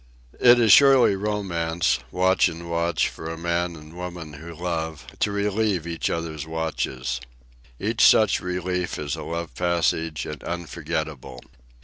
It is surely romance, watch and watch for a man and a woman who love, to relieve each other's watches. Each such relief is a love passage and unforgettable.